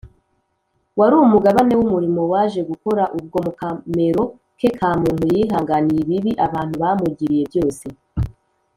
wari umugabane w’umurimo yaje gukora, ubwo mu kamero ke ka muntu yihanganiye ibibi abantu bamugiriye byose